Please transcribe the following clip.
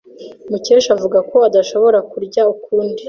Mukesha avuga ko adashobora kurya ukundi.